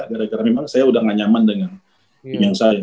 gara gara memang saya udah gak nyaman dengan penyayang saya